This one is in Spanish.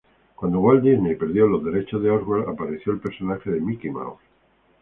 Cuando Walt Disney perdió los derechos de Oswald, apareció el personaje de Mickey Mouse.